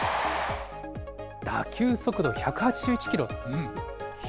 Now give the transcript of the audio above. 打球速度１８１キロ。